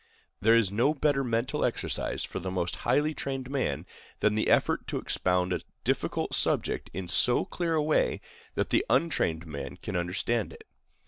There is no better mental exercise for the most highly trained man than the effort to expound a difficult subject in so clear a way that the untrained man can understand it.